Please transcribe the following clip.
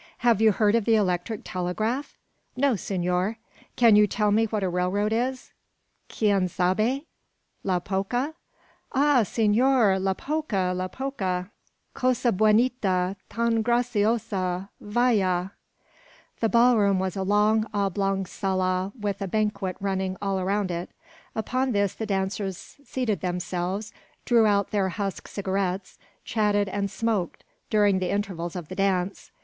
"Have you heard of the electric telegraph?" "No, senor." "Can you tell me what a railroad is?" "Quien sabe?" "La polka?" "Ah! senor, la polka, la polka! cosa buenita, tan graciosa! vaya!" The ball room was a long, oblong sala with a banquette running all round it. Upon this the dancers seated themselves, drew out their husk cigarettes, chatted, and smoked, during the intervals of the dance.